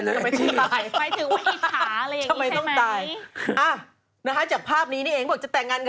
โอ้โฮเดี๋ยวนางว่าคนโสดต้องตาย